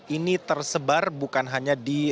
ini tersebar bukan hanya di